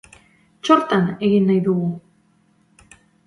Txortan egin nahi dugu!